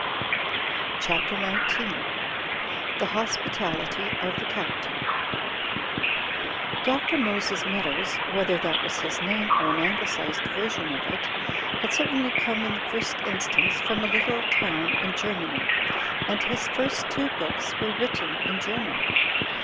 CHAPTER XIX THE HOSPITALITY OF THE CAPTAIN DiL Moses Meadows, whether that was his name or an Anglicised version of it, had certainly come in the first instance from a little town in Germany and his first two books were written in German.